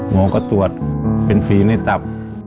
โง่ก็ตวดเป็นฝีในตับ